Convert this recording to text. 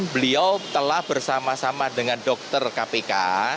beliau telah bersama sama dengan dokter kpk